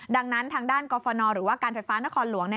ดังนั้นทางด้านกรฟนหรือว่าการไฟฟ้านครหลวง